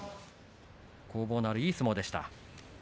攻防のあるいい相撲でした。